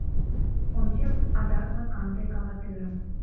Ончем адак мый канде каватӱрым.